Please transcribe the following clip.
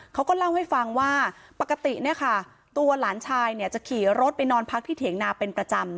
เขาก็เล่าให้ฟังว่าปกติเนี่ยค่ะตัวหลานชายเนี่ยจะขี่รถไปนอนพักที่เถียงนาเป็นประจำ